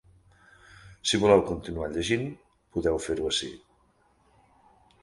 Si voleu continuar llegint, podeu fer-ho ací.